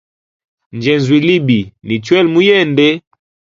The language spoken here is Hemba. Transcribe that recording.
Njenzulwile ibi ni chwele muyende.